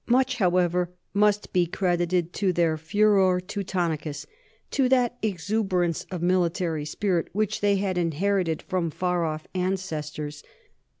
Much, however, must be credited to their furor Teutonicus, to that exuberance of military spirit which they had inherited from far off ancestors.